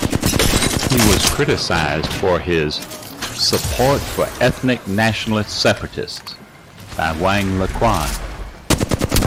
He was criticized for his "support for ethnic nationalist separatists" by Wang Lequan.